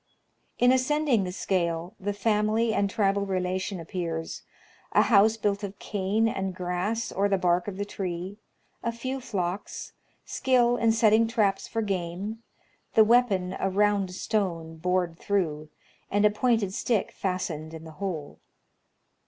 In ascending the scale, the family and tribal relation appears, — a house built of cane and grass or the bark of the tree ; a few flocks ; skill in setting traps for game ; the weapon a round stone, bored through, and a pointed stick fastened in the hole.